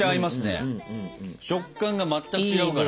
食感が全く違うから。